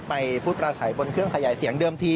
มาดูบรรจากาศมาดูความเคลื่อนไหวที่บริเวณหน้าสูตรการค้า